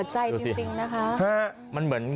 เห็นหัวใจจริงนะคะ